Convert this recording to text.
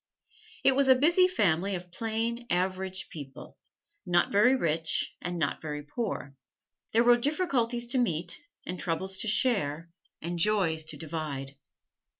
It was a busy family of plain, average people not very rich, and not very poor. There were difficulties to meet, and troubles to share, and joys to divide.